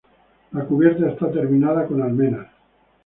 La cubierta está terminada con almenas.